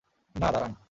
না, দাঁড়ান!